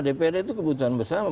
dprd itu keputusan bersama